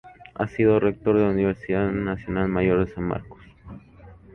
Ha sido rector de la Universidad Nacional Mayor de San Marcos.